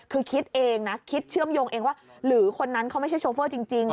คือคิดเองนะคิดเชื่อมโยงเองว่าหรือคนนั้นเขาไม่ใช่โชเฟอร์จริง